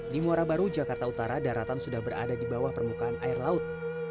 di muara baru jakarta utara daratan sudah berada di bawah permukaan air laut